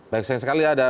baik sayang sekali ada